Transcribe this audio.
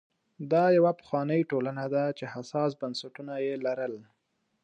دا یوه پخوانۍ ټولنه وه چې حساس بنسټونه یې لرل.